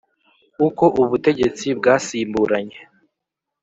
, uko ubutegetsi bwasimburanye